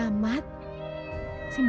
belang kamu kok manjat